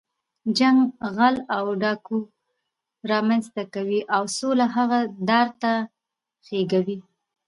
جنګ غل او ډاګو رامنځ ته کوي، او سوله هغه دار ته خېږوي.